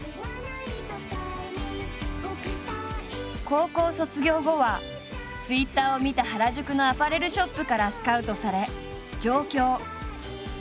高校卒業後はＴｗｉｔｔｅｒを見た原宿のアパレルショップからスカウトされ上京。